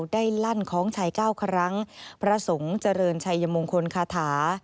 ลั่นคล้องชัย๙ครั้งพระสงฆ์เจริญชัยมงคลคาถา